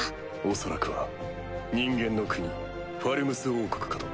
恐らくは人間の国ファルムス王国かと。